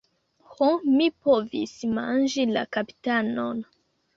Ho, mi povis manĝi la kapitanon.